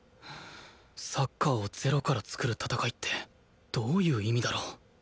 サッカーを０から創る戦いってどういう意味だろう？